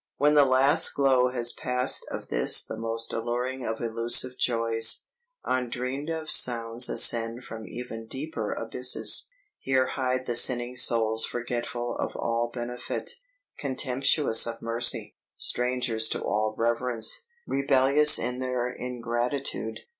"When the last glow has passed of this the most alluring of illusive joys, undreamed of sounds ascend from even deeper abysses. Here hide the sinning souls forgetful of all benefit, contemptuous of mercy, strangers to all reverence, rebellious in their ingratitude.